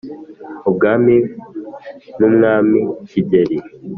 ubwami n'umwami kigeli